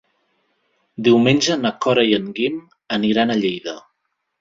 Diumenge na Cora i en Guim aniran a Lleida.